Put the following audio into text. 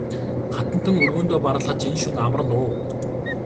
Хатантан өргөөндөө бараалхаж энэ шөнө амарна уу?